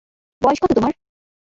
বয়স কত তোমার?